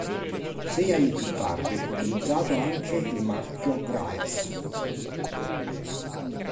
Sei anni più tardi fu utilizzato anche il marchio "Graetz".